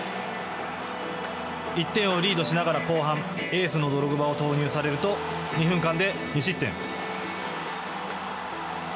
１点をリードしながら後半エースのドログバを投入されると２分間で２失点。